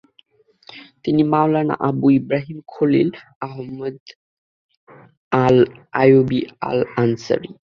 তিনি মাওলানা আবু ইব্রাহিম খলিল আহমদ আল আইয়ুবী আল আনসারী।